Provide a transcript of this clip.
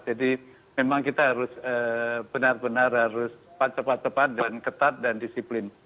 jadi memang kita harus benar benar harus cepat cepat dan ketat dan disiplin